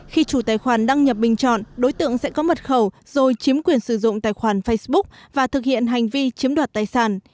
khi chủ tài khoản đăng nhập bình chọn đối tượng sẽ có mật khẩu rồi chiếm quyền sử dụng tài khoản facebook và thực hiện hành vi chiếm đoạt tài sản